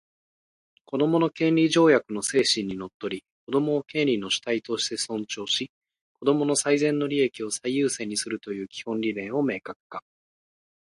「子どもの権利条約」の精神にのっとり、子供を権利の主体として尊重し、子供の最善の利益を最優先にするという基本理念を明確化